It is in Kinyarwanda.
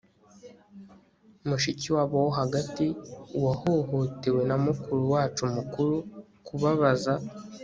mushikiwabo wo hagati. uwahohotewe na mukuru wacu mukuru. kubabaza